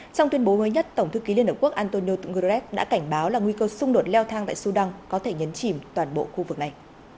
trong tuyên bố mới nhất tổng thư ký liên hợp quốc antonio gurez đã cảnh báo là nguy cơ xung đột leo thang tại sudan có thể nhấn chìm toàn bộ khu vực này